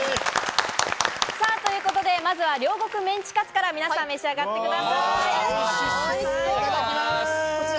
まずは両国メンチカツから皆さん、召し上がってください。